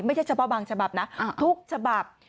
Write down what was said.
ไม่ใช่เฉพาะบางฉบับนะทุกฉบับ